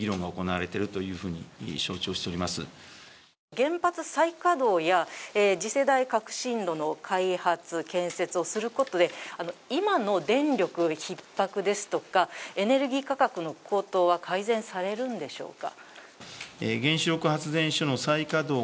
原発再稼働や次世代革新炉の開発・建設をすることで今の電力ひっ迫ですとか、エネルギー価格の高騰は改善されるのでしょうか？